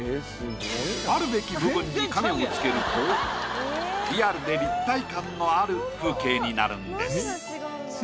あるべき部分に影をつけるとリアルで立体感のある風景になるんです。